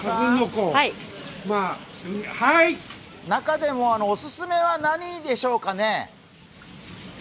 中でもオススメは何でしょうかね？